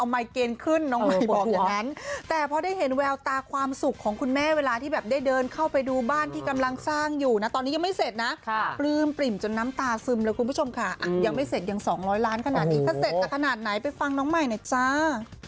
หน้อยล้านขนาดนี้ถ้าเสร็จนะขนาดไหนไปฟังน้องใหม่หน่อยจ้า